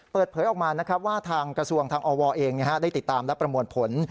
เปิดเผยออกมานะครับว่าทางกระทรวงทางอวเองได้ติดตามและประมวลผล